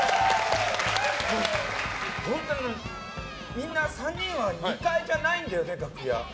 みんな３人は２階じゃないんだよね。